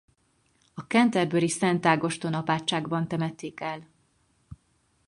A Canterburyi Szent Ágoston-apátságban temették el.